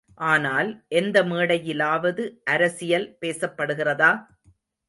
ஆனால், எந்த மேடையிலாவது அரசியல் பேசப்படுகிறதா?